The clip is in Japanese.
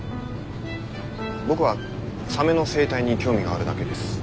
僕はサメの生態に興味があるだけです。